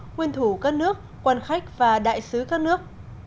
nguyên thủ các nước quan khách và đại sứ các nước